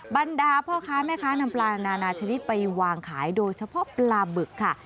บรรดาพ่อค้าแม่ค้านำปลานานาชนิดไปวางขายโดยเฉพาะปลาบึกค่ะ